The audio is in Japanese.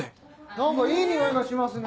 何かいい匂いがしますね。